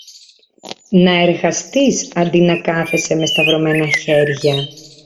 Να εργαστείς αντί να κάθεσαι με σταυρωμένα χέρια!